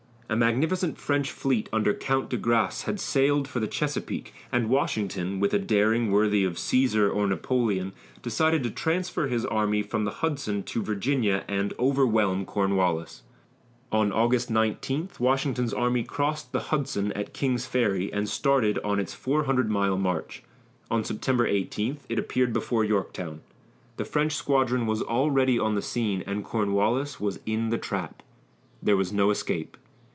A magnificent French fleet under Count de Grasse had sailed for the Chesapeake, and Washington, with a daring worthy of Cæsar or Napoleon, decided to transfer his army from the Hudson to Virginia and overwhelm Cornwallis. On August 19 Washington's army crossed the Hudson at King's Ferry and started on its four hundred mile march. On September 18 it appeared before Yorktown. The French squadron was already on the scene, and Cornwallis was in the trap. There was no escape.